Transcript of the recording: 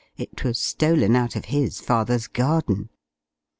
it was stolen out of his father's garden.